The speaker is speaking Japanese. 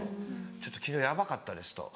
「ちょっと昨日ヤバかったです」と。